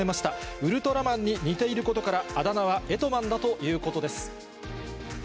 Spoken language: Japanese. ウルトラマンに似ていることから、あだ名はエトマンだということです。